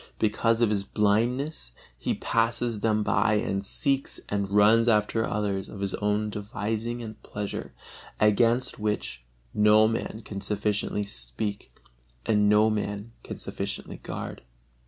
because of his blindness, he passes them by and seeks and runs after others of his own devising and pleasure, against which no man can sufficiently speak and no man can sufficiently guard.